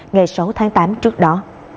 ngày sáu tháng tám trước đó